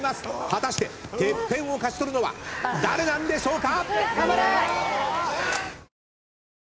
果たしてＴＥＰＰＥＮを勝ち取るのは誰なんでしょうか！？